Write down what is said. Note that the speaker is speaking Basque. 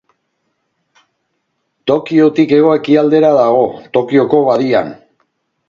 Tokiotik hego-ekialdera dago, Tokioko Badian.